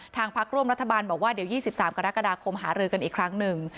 พักร่วมรัฐบาลบอกว่าเดี๋ยว๒๓กรกฎาคมหารือกันอีกครั้งหนึ่ง